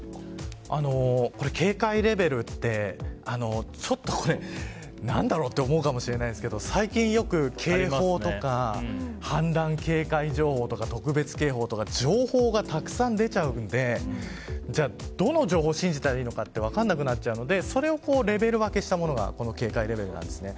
警戒レベルって、ちょっと何だろうって思うかもしれないですけど最近よく警報とか氾濫警戒情報とか特別警報とか情報がたくさん出ちゃうのでどの情報を信じたらいいのかって分からなくなるのでそれをレベル分けしたものがこの警戒レベルなんですね。